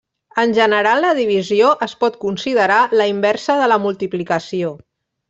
En general, la divisió es pot considerar la inversa de la multiplicació.